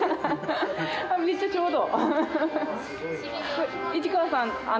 めっちゃちょうど！